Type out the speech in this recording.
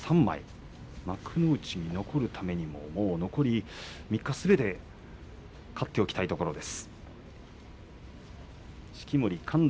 幕内に残るためにはもう残る３日すべて勝っておきたいところです。